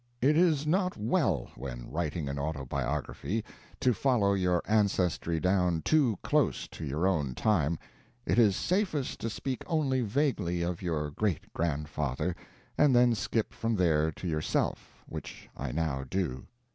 It is not well, when writing an autobiography, to follow your ancestry down too close to your own time it is safest to speak only vaguely of your great grandfather, and then skip from there to yourself, which I now do.